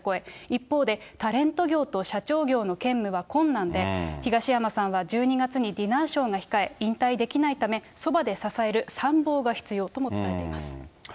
一方で、タレント業と社長業の兼務は困難で、東山さんは１２月にディナーショーが控え、引退できないため、そばで支える参謀が必要とも伝えています。